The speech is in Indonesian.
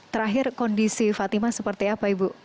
terakhir kondisi fatima seperti apa ibu